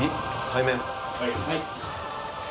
はい。